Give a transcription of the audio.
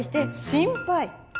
心配？